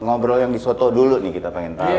ngobrol yang di soto dulu nih kita pengen tahu